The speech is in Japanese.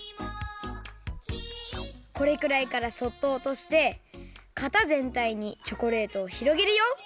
これくらいからそっとおとしてかたぜんたいにチョコレートをひろげるよ。